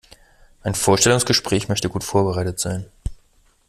Ein Vorstellungsgespräch möchte gut vorbereitet sein.